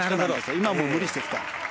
今も無理してきた。